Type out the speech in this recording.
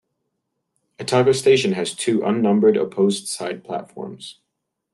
Atago Station has two unnumbered opposed side platforms.